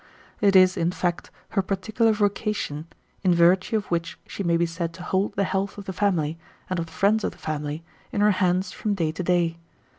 It is, in fact, her particular vocation, in virtue of which she may be said to hold the health of the family, and of the friends of the family, in her hands from day to day.